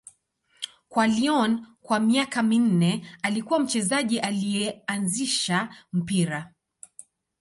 Kwa Lyon kwa miaka minne, alikuwa mchezaji aliyeanzisha mpira.